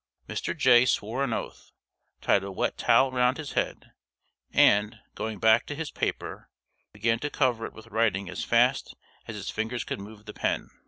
Mr. Jay swore an oath, tied a wet towel round his head, and, going back to his paper, began to cover it with writing as fast as his fingers could move the pen.